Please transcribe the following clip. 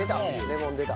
レモン出た。